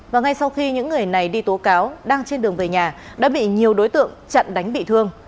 và ngay sau khi những người này đi tố cáo đang trên đường về nhà đã bị nhiều đối tượng chặn đánh bị thương